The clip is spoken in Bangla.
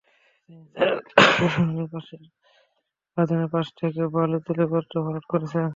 তিনি তাঁর ক্ষমতাবলে বাঁধের পাশ থেকে বালু তুলে গর্ত ভরাট করছেন।